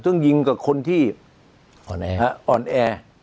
จะต้องยิงกับคนที่ออนแอร์